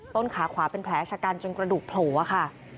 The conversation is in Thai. ต้นขาขวาเป็นแผลชะกันจนกระดูกโผล่ค่ะ